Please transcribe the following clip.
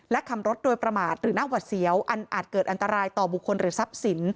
และขับรถโดยประมาทหรือหน้าหวัดเสียวอันอาจเกิดอันตรายต่อบุคคลหรือทรัพย์สิน